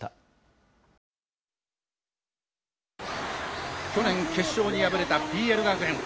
・「去年決勝で敗れたＰＬ学園。